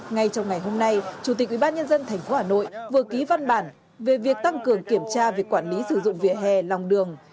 ngay trong ngày hôm nay chủ tịch ubnd tp hà nội vừa ký văn bản về việc tăng cường kiểm tra việc quản lý sử dụng vỉa hè lòng đường